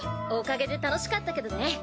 おかげで楽しかったけどね。